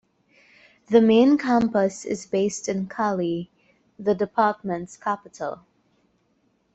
The main campus is based in Cali, the department's capital.